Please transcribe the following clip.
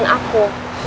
ini dosen aku